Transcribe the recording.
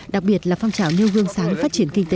đặc biệt là phong trào nêu gương sáng phát triển kinh tế